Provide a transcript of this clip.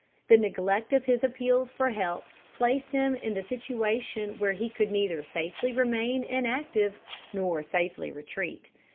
The neglect of his appeals for help placed him in the situation where he could neither safely remain inactive, nor safely retreat.